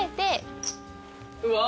うわ。